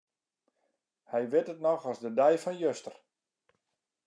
Hy wit it noch as de dei fan juster.